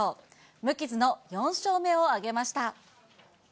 無傷の４勝目を挙げました。